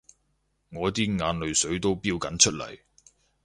我啲眼淚水都標緊出嚟